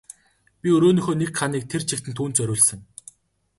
Би өрөөнийхөө нэг ханыг тэр чигт нь түүнд зориулсан.